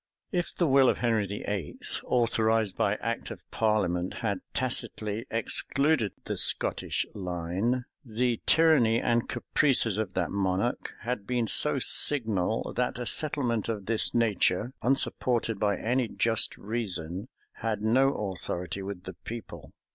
If the will of Henry VIII., authorized by act of parliament, had tacitly excluded the Scottish line, the tyranny and caprices of that monarch had been so signal, that a settlement of this nature, unsupported by any just reason, had no authority with the people.